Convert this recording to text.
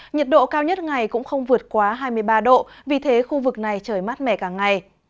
nhiệt độ cao nhất ngày cũng không vượt quá hai mươi ba độ vì thế khu vực này trời mát mẻ cả ngày